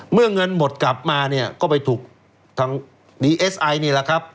เมื่อเงินหมดกลับมาเนี่ยก็ไปถูกทางดีเอสไอนี่แหละครับ